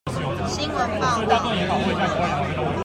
新聞報導